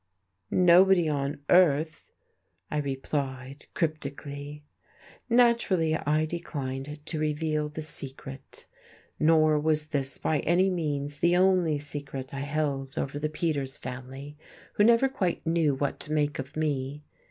"Nobody on earth," I replied cryptically.... Naturally, I declined to reveal the secret. Nor was this by any means the only secret I held over the Peters family, who never quite knew what to make of me.